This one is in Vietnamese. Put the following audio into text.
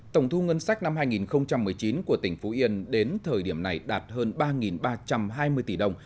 tổng thu ngân sách năm hai nghìn một mươi chín của tỉnh phú yên đến thời điểm này đạt hơn ba ba trăm hai mươi tỷ đồng